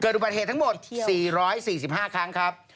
อุบัติเหตุทั้งหมด๔๔๕ครั้งครับ